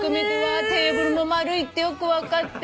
テーブルも円いってよく分かって。